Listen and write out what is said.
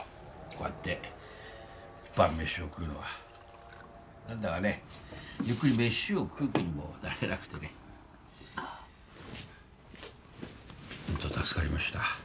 こうやって晩飯を食うのは何だかねゆっくり飯を食う気にもなれなくてねホント助かりました